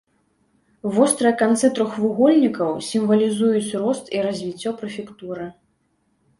Вострыя канцы трохвугольнікаў сімвалізуюць рост і развіццё прэфектуры.